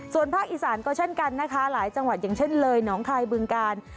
ส่วนภาคอีสานก็เช่นกันนะคะหลายจังหวัดอย่างเช่นเลยหนองคายบึงกาล